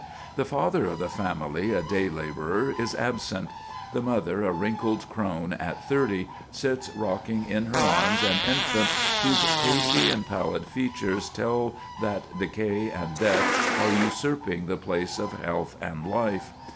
"The father of the family, a day laborer, is absent. The mother, a wrinkled crone at thirty, sits rocking in her arms an infant whose pasty and pallid features tell that decay and death are usurping the place of health and life.